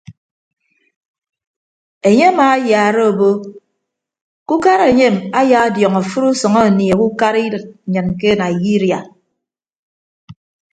Enye amaayaara obo ke ukara enyem ayaadiọñ afịt usʌñ anieehe ukara idịt nnyịn ke naiyiria.